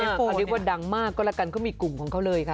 เขาเรียกว่าดังมากก็แล้วกันเขามีกลุ่มของเขาเลยค่ะ